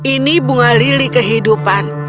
ini bunga lili kehidupan